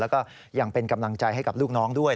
แล้วก็ยังเป็นกำลังใจให้กับลูกน้องด้วย